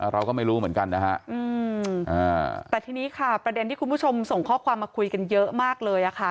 เราก็ไม่รู้เหมือนกันนะฮะแต่ทีนี้ค่ะประเด็นที่คุณผู้ชมส่งข้อความมาคุยกันเยอะมากเลยค่ะ